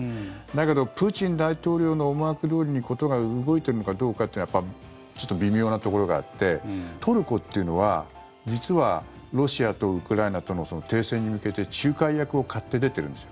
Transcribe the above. だけどプーチン大統領の思惑どおりに事が動いているのかどうかというのはちょっと微妙なところがあってトルコというのは実はロシアとウクライナとの停戦に向けて仲介役を買って出ているんです。